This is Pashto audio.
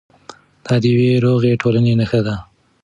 دا د یوې روغې ټولنې نښه ده.